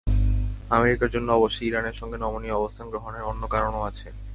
আমেরিকার জন্য অবশ্য ইরানের সঙ্গে নমনীয় অবস্থান গ্রহণের অন্য কারণও আছে।